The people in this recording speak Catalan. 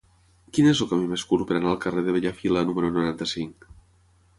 Quin és el camí més curt per anar al carrer de Bellafila número noranta-cinc?